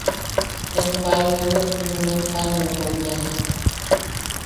Empalmewi, num Empalmeu kom yajak.